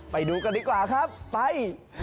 ไปดูกันดีกว่าครับไป